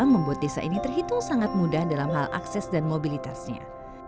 membuat desa ini terhitung sangat mudah dalam hal akses dan mobilitasnya